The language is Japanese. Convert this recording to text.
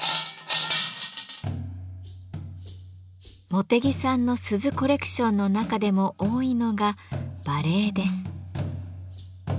茂手木さんの鈴コレクションの中でも多いのが馬鈴です。